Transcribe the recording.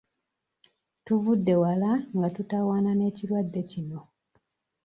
Tuvudde wala nga tutawaana n'ekirwadde kino.